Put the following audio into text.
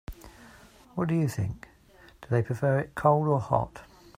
What do you think, do they prefer it cold or hot?